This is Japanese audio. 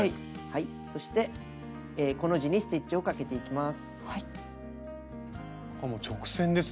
そしてコの字にステッチをかけていきます。